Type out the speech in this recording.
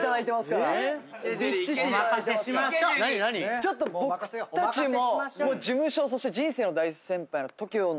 ちょっと僕たちも事務所そして人生の大先輩の。